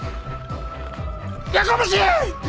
やかましい！